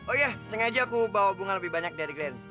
oh ya sengaja aku bawa bunga lebih banyak dari grand